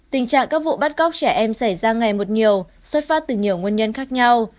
tình trạng các vụ bắt cóc trẻ em xảy ra ngày một nhiều xuất phát từ nhiều nguyên nhân khác nhau